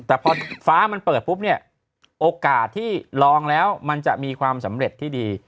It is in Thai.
แต่พอฟ้ามันเปิดปุ๊บเนี่ยโอกาสที่ลองแล้วมันจะมีความสำเร็จที่ดี